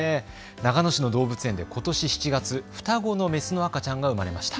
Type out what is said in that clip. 長野市の動物園でことし７月、双子のメスの赤ちゃんが生まれました。